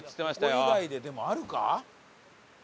ここ以外ででもあるか？